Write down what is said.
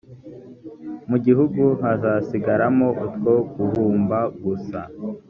mu gihugu hazasigaramo utwo guhumba gusa.